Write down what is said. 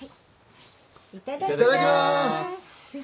いただきます。